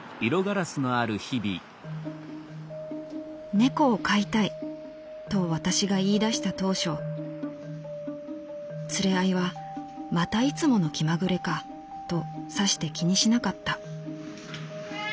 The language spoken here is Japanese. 「『猫を飼いたい』と私が言い出した当初連れ合いはまたいつもの気まぐれかとさして気にしなかった」。